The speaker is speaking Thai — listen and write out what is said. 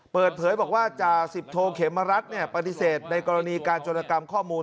เปิดเผยบอกว่าจ่าสิบโทเขมรัฐปฏิเสธในกรณีการจรกรรมข้อมูล